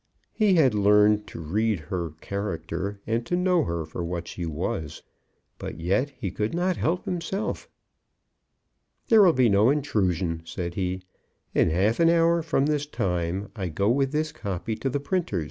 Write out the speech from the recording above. He had learned to read her character, and to know her for what she was. But yet he could not help himself. "There will be no intrusion," he said. "In half an hour from this time, I go with this copy to the printer's.